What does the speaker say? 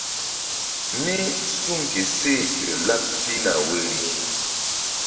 Mí suŋ ke seh ƴo laɓ pihna woyri.